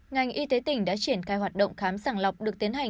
ngành y tế tỉnh đã triển khai hoạt động khám sàng lọc được tiến hành